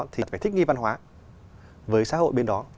thì phải thích nghi văn hóa với xã hội bên đó